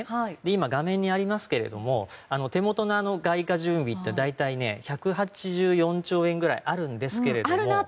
今、画面にありますが手元の外貨準備は大体１８４兆円ぐらいあるんですけど。